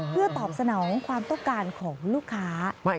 เพื่อตอบสนองความต้องการของลูกค้า